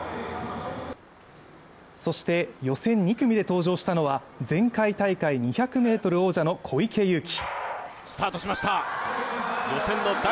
そして、予選２組で登場したのは前回大会２００ｍ王者の小池祐貴。